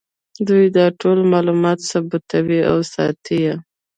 دوی دا ټول معلومات ثبتوي او ساتي یې